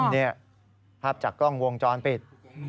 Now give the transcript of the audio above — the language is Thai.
นี่ภาพจากกล้องวงจรปิด